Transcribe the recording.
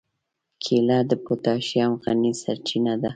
کېله د پوتاشیم غني سرچینه ده.